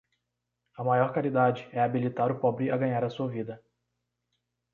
A maior caridade é habilitar o pobre a ganhar a sua vida.